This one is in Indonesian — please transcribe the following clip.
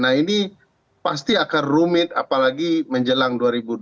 nah ini pasti akan rumit apalagi menjelang dua ribu dua puluh